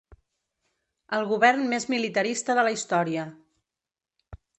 El govern més militarista de la història.